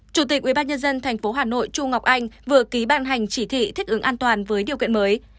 chủ tịch ubnd tp hà nội chu ngọc anh vừa ký ban hành chỉ thị thích ứng an toàn với điều kiện mới